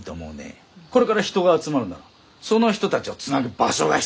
これから人が集まるならその人たちをつなぐ場所が必要になる。